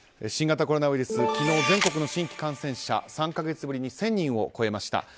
新型コロナウイルス昨日、全国の新規感染者３か月ぶりに１０００人を超えました。